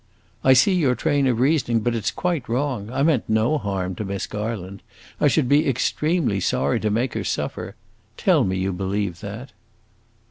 "I see your train of reasoning, but it 's quite wrong. I meant no harm to Miss Garland; I should be extremely sorry to make her suffer. Tell me you believe that."